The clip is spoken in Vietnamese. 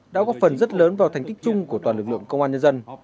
đã góp phần rất lớn vào thành tích chung của toàn lực lượng công an nhân dân